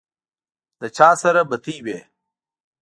له چا سره بتۍ وې.